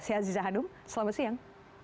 saya aziza hanum selamat siang